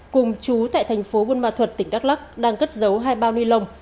cùng chú tại thành phố buôn ma thuật tỉnh đắk lắc đang cất giấu hai bao ni lông